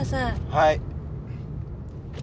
はい。